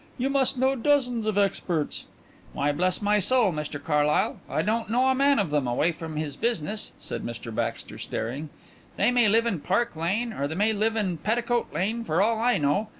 You must know dozens of experts." "Why, bless my soul, Mr Carlyle, I don't know a man of them away from his business," said Mr Baxter, staring. "They may live in Park Lane or they may live in Petticoat Lane for all I know.